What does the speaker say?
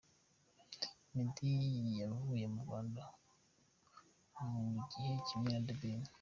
Meddy yavuye mu Rwanda mu gihe kimwe na The Ben.